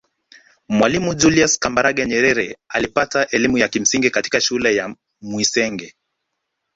Mwalimu Julius Kambarage Nyerere alipata elimu ya msingi katika shule ya Mwisenge